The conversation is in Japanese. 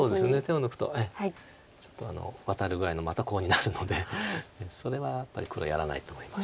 手を抜くとちょっとワタるぐらいのまたコウになるのでそれはやっぱり黒やらないと思います。